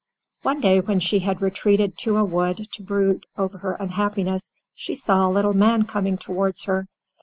One day when she had retreated to a wood to brood over her unhappiness, she saw a little man coming towards her.